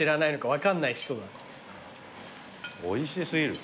おいし過ぎる。